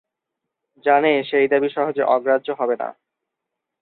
জানে সেই দাবি সহজে অগ্রাহ্য হবে না।